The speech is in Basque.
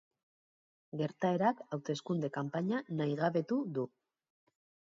Gertaerak hauteskunde-kanpaina nahigabetu du.